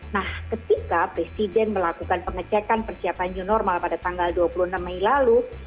nah ketika presiden melakukan pengecekan persiapan new normal pada tanggal dua puluh enam mei lalu